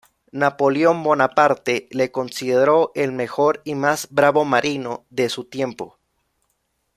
Napoleón Bonaparte le consideró el mejor y más bravo marino de su tiempo.